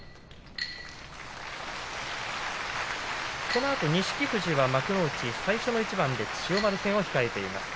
このあと錦富士は幕内最初の一番で千代丸戦が控えています。